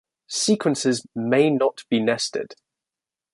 Sequences may not be nested.